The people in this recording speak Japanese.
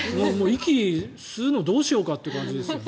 息を吸うのどうしようかという感じですね。